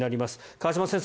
河島先生